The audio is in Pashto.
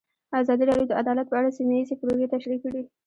ازادي راډیو د عدالت په اړه سیمه ییزې پروژې تشریح کړې.